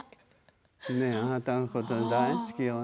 あなたのこと大好きよ